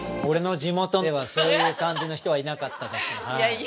俺の地元ではそういう感じの人はいなかったですいや